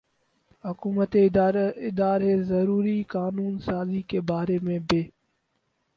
حکومتی ادارے ضروری قانون سازی کے بارے میں بے